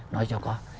nói cho có